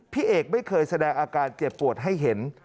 พี่เอกไม่เคยแสดงอาการเจ็บปวดให้เห็น